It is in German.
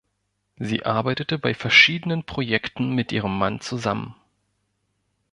Sie arbeitete bei verschiedenen Projekten mit ihrem Mann zusammen.